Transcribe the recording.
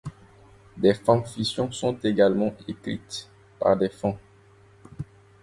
Des fanfictions sont également écrites par des fans.